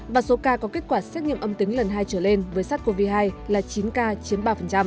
và số ca có kết quả xét nghiệm âm tính lần hai trở lên với sars cov hai là chín ca chiếm ba